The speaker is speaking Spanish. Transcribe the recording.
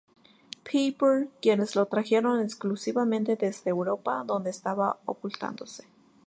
Paper, quienes lo trajeron exclusivamente desde Europa, donde estaba ocultándose.